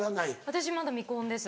私まだ未婚です。